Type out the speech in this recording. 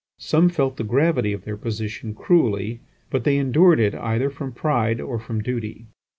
Some felt the gravity of their position cruelly; but they endured it either from pride or from duty.